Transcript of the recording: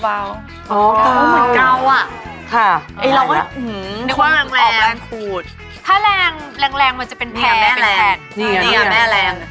อ๋อเกาเหมือนเกาอะค่ะนึกว่าแรงถ้าแรงมันจะเป็นแพร่นี่อะแม่แรง